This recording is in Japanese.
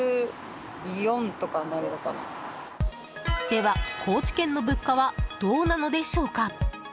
では、高知県の物価はどうなのでしょうか？